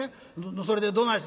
それでどないした？」。